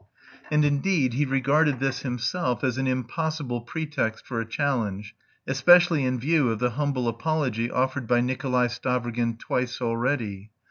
And indeed he regarded this himself as an impossible pretext for a challenge, especially in view of the humble apology offered by Nikolay Stavrogin twice already.